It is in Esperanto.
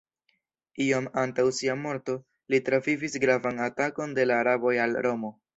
Iom antaŭ sia morto, li travivis gravan atakon de la araboj al Romo.